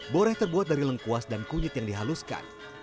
boreh terbuat dari lengkuas dan kunyit yang dihaluskan